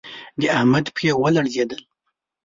د احمد پښې و لړزېدل